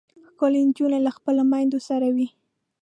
ښکلې نجونې له خپلو میندو سره وي.